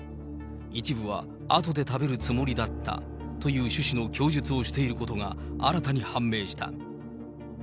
一部はあとで食べるつもりだったという趣旨の供述をしていることが、新たに判明した。